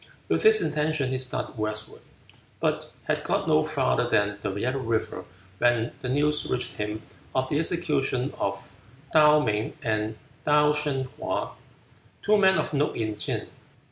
With this intention he started westward, but had got no farther than the Yellow River when the news reached him of the execution of Tuh Ming and Tuh Shun hwa, two men of note in Tsin.